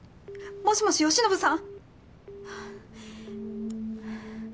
もしもし善信さん！？